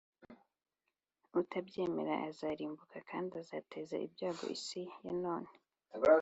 Utabyemera azarimbuka kandi azateza ibyago isi ya none.